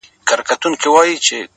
ته كه له ښاره ځې پرېږدې خپل كور.!